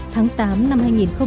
tháng tám năm hai nghìn một mươi chín